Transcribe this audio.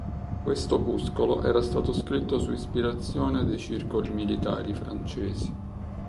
Questo opuscolo era stato scritto su ispirazione dei circoli militari francesi.